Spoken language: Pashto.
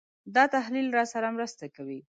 دا تحلیل راسره مرسته کوي.